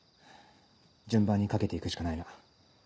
順番にかけて行くしかないな。